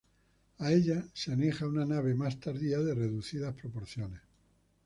A ella se aneja una nave más tardía de reducidas proporciones.